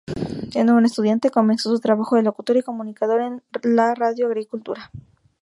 Siendo aún estudiante, comenzó su trabajo de locutor y comunicador en la Radio Agricultura.